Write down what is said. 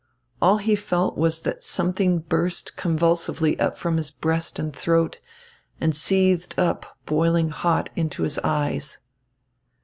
All he felt was that something burst convulsively from his breast and throat, and seethed up, boiling hot, into his eyes.